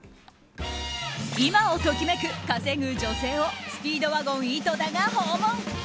今を時めく稼ぐ女性をスピードワゴン、井戸田が訪問。